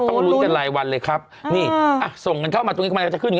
ต้องรู้กันหลายวันเลยครับนี่ส่งกันเข้ามาตรงนี้กันมันจะขึ้น